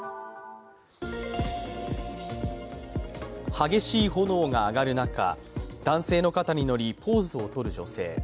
激しい炎が上がる中、男性の肩に乗りポーズをとる女性。